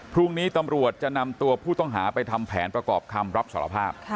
พรุ่งนี้ตำรวจจะนำตัวผู้ต้องหาไปทำแผนประกอบคำรับสารภาพ